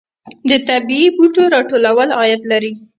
د طبیعي بوټو راټولول عاید لري